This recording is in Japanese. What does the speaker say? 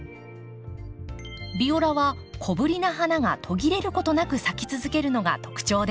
ビオラは小ぶりな花が途切れることなく咲き続けるのが特徴です。